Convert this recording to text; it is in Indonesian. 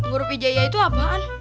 huruf hijaiyah itu apaan